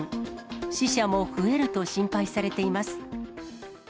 死者も増えると心配されています。